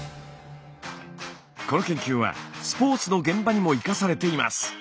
この研究はスポーツの現場にも生かされています。